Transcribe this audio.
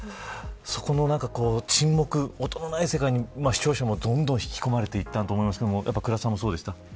そこの沈黙音のない世界に、視聴者もどんどん引き込まれたと思いますがやっぱり倉田さんもそうでした。